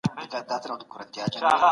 پکښې څه شی دي چي داسي ښکاري؟